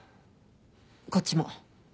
こっちも。